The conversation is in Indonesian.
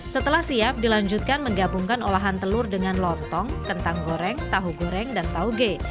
setelah siap dilanjutkan menggabungkan olahan telur dengan lontong kentang goreng tahu goreng dan tauge